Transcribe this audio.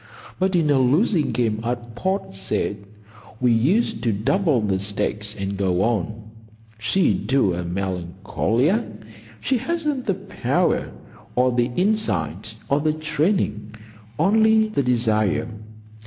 But in a losing game at Port Said we used to double the stakes and go on. She do a Melancolia! She hasn't the power, or the insight, or the training. Only the desire.